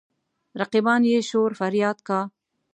رقیبان يې شور فرياد کا.